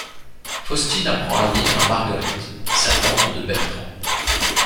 Faustine apprend à lire à Marguerite, servante de Bertrand.